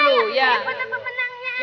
ya foto pemenangnya